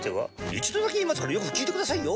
一度だけ言いますからよく聞いてくださいよ。